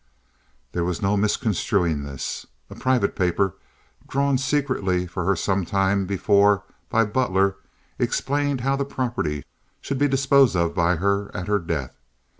There was no misconstruing this. A private paper drawn secretly for her sometime before by Butler, explained how the property should be disposed of by her at her death.